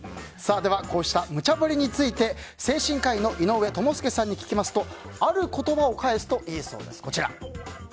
ではこうしたむちゃ振りについて精神科医の井上智介さんに聞くとある言葉を返すといいそうです。